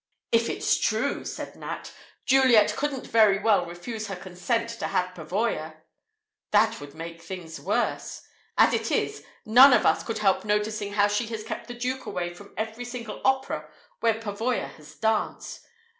"If it's true," said Nat, "Juliet couldn't very well refuse her consent to have Pavoya. That would make things worse. As it is, none of us could help noticing how she has kept the Duke away from every single opera where Pavoya has danced.